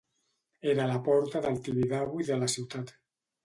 Era la porta del Tibidabo i de la ciutat.